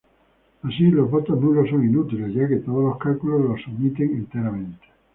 Así, los votos nulos son inútiles, ya que todos los cálculos los omiten enteramente.